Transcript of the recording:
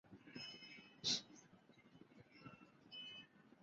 该论文引发了美国国家科学院对此问题的科学调查。